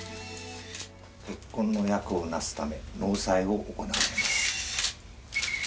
結婚の約をなすため、納采を行います。